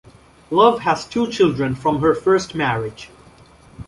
Love has two children from her first marriage.